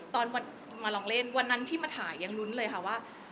ตอนมาลองเล่นวันนั้นที่มาถ่ายยังลุ้นเลยค่ะว่า